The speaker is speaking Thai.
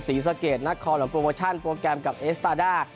ศรีสะเกดนักคอหรือโปรโมชั่นโปรแกรมกับเอสตาด้า